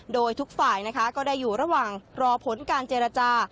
โดยทุกฝ่ายนะคะก็ได้อยู่ระหว่างรอผลการเจรจา